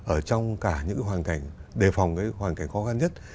ở trong cả những cái hoàn cảnh đề phòng cái hoàn cảnh khó khăn nhất